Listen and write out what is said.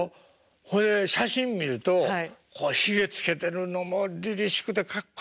ほいで写真見るとこうヒゲつけてるのもりりしくてかっこいいんですけど。